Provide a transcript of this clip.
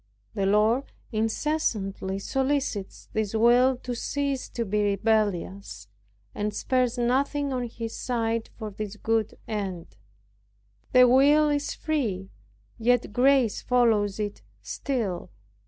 The Lord incessantly solicits this will to cease to be rebellious, and spares nothing on His side for this good end. The will is free, yet grace follows it still.